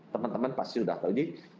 teman teman pasti sudah tahu nih